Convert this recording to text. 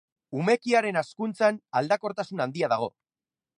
Umekiaren hazkuntzan aldakortasun handia dago.